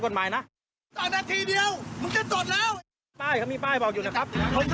ก็มีป้ายบอกอยู่นะครับ